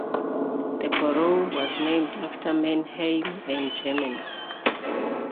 The borough was named after Mannheim, in Germany.